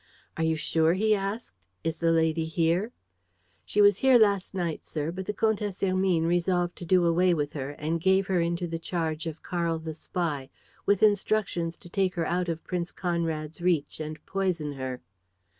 "Are you sure?" he asked. "Is the lady here?" "She was here last night, sir. But the Comtesse Hermine resolved to do away with her and gave her into the charge of Karl the spy, with instructions to take her out of Prince Conrad's reach and poison her."